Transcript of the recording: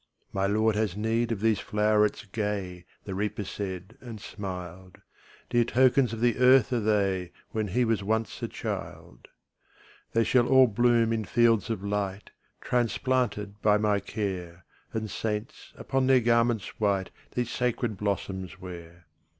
``My Lord has need of these flowerets gay,'' The Reaper said, and smiled; ``Dear tokens of the earth are they, Where he was once a child. ``They shall all bloom in fields of light, Transplanted by my care, And saints, upon their garments white, These sacred blossoms wear.''